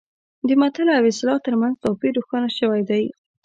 د متل او اصطلاح ترمنځ توپیر روښانه شوی دی